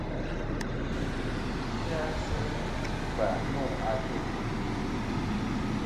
Ndzɨ sɨ-a sɨ ku va nô ajuŋ.